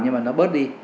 nhưng mà nó bớt đi